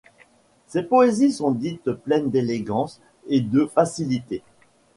Ses poésies sont dites pleines d'élégance et de facilité.